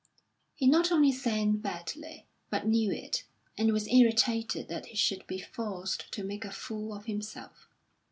He not only sang badly, but knew it, and was irritated that he should be forced to make a fool of himself.